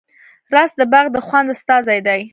رس د باغ د خوند استازی دی